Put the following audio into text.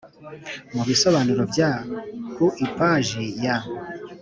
Mu Bisobanuro bya ku ipaji ya